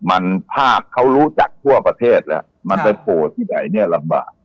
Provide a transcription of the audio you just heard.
มันภาพเขารู้จักทั่วประเทศแล้วมันไปโผล่ที่ไหนเนี่ยลำบาก